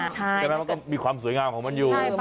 ใช่ไหมมันก็มีความสวยงามของมันอยู่